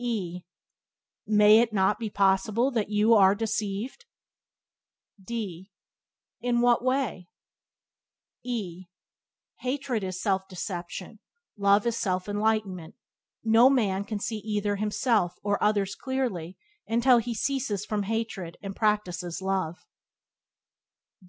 E May it not be possible that you are deceived? D In what way? E Hatred is self deception; love is self enlightenment. No man can see either himself or others clearly until he ceases from hatred and practices love.